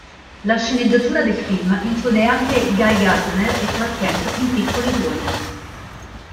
La sceneggiatura del film include anche Guy Gardner e Clark Kent in piccoli ruoli.